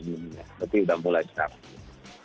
tapi udah mulai sekarang